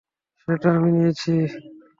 সেটা আমি নিয়েছি।